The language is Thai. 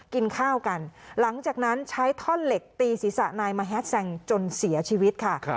กินข้าวกันหลังจากนั้นใช้ท่อนเหล็กตีศีรษะนายมาแฮดแซงจนเสียชีวิตค่ะ